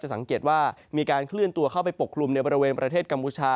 สังเกตว่ามีการเคลื่อนตัวเข้าไปปกคลุมในบริเวณประเทศกัมพูชา